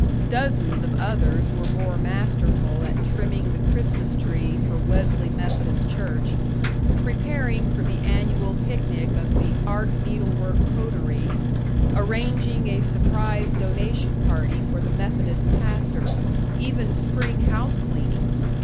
Dozens of others were more masterful at trimming the Christmas tree for Wesley Methodist Church, preparing for the annual picnic of the Art Needlework Coterie, arranging a surprise donation party for the Methodist pastor, even spring house cleaning.